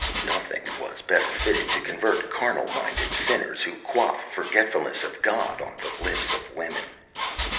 Nothing was better fitted to convert carnal minded sinners who quaff forgetfulness of God on the lips of women.